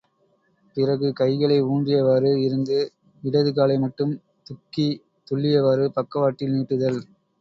பிறகு கைகளை ஊன்றியவாறு இருந்து இடது காலை மட்டும் துக்கி துள்ளியவாறு பக்கவாட்டில் நீட்டுதல்.